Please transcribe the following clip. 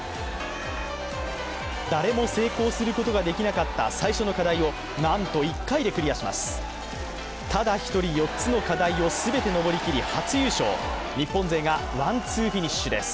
誰も成功することができなかった最初の課題をなんと１回でクリアします。